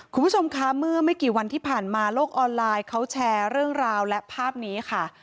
คุณผู้ชมคะเมื่อไม่กี่วันที่ผ่านมาโลกออนไลน์เขาแชร์เรื่องราวและภาพนี้ค่ะ